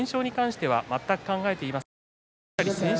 ただ連勝に関しては全く考えていません。